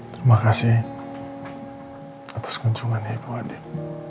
terima kasih atas kunjungan ibu adik